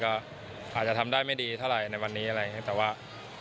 ก็อาจจะทำได้ไม่ดีเท่าไหร่ในวันนี้อะไรอย่างนี้แต่ว่า